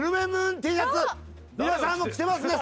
皆さんも着てますね